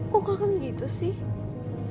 kok kakak gitu sih